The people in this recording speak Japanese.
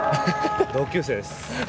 同級生です。